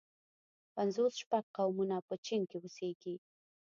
پنځوس شپږ قومونه په چين کې اوسيږي.